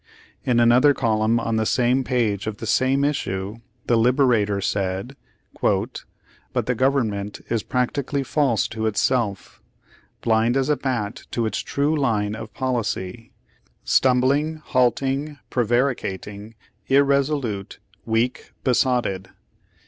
In another column on the same page of the same issue, the Liberator said : "But the government is practically false to itself — blind as a bat to its true line of policy — stumbling, halting, prevaricating, irresolute, weak, besotted."